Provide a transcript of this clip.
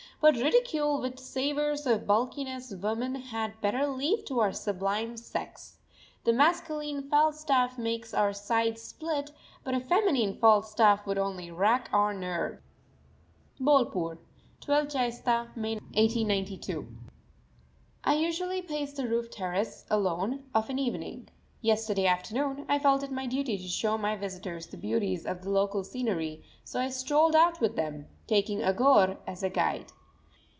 But ridicule which savours of bulkiness woman had better leave to our sublime sex. The masculine Falstaff makes our sides split, but a feminine Falstaff would only rack our nerves. BOLPUR, 12_th Jaistha_ (May) 1892. I usually pace the roof terrace, alone, of an evening. Yesterday afternoon I felt it my duty to show my visitors the beauties of the local scenery, so I strolled out with them, taking Aghore as a guide.